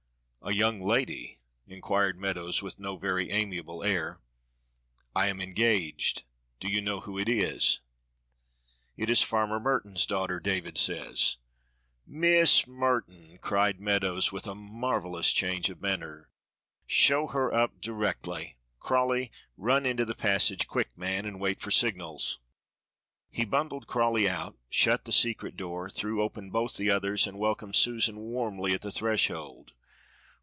"A young lady?" inquired Meadows with no very amiable air, "I am engaged do you know who it is?" "It is Farmer Merton's daughter, David says." "Miss Merton!" cried Meadows, with a marvelous change of manner. "Show her up directly. Crawley, run into the passage, quick, man and wait for signals." He bundled Crawley out, shut the secret door, threw open both the others, and welcomed Susan warmly at the threshold.